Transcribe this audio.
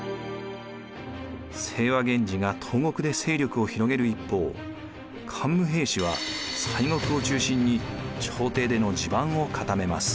清和源氏が東国で勢力を広げる一方桓武平氏は西国を中心に朝廷での地盤を固めます。